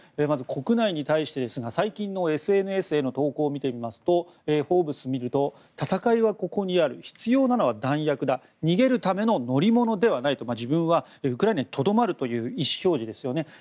まず国内に対してですが最近のＳＮＳへの投稿を見てみますと「フォーブス」を見ると戦いはここにある必要なのは弾薬だ逃げるための乗り物ではないと自分はウクライナにとどまるという意志表示ですよね。